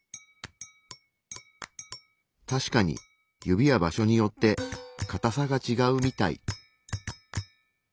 たしかに指は場所によってかたさがちがうみたい。